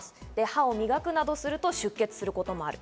歯を磨くなどすると出血することもある。